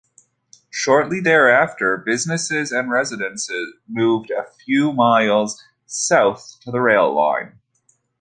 Shortly thereafter, businesses and residents moved a few miles south to the rail line.